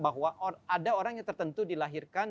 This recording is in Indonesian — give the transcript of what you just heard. bahwa ada orang yang tertentu dilahirkan